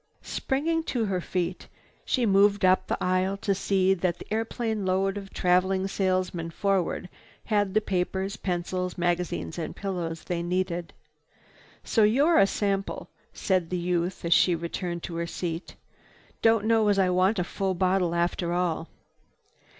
Springing to her feet, she moved up the aisle to see that the airplane load of traveling salesmen forward had the papers, pencils, magazines and pillows they needed. "So you're a sample," said the youth as she returned to her seat. "Don't know as I want a full bottle after all."